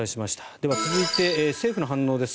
では、続いて政府の反応です。